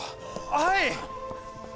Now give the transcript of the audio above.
はい！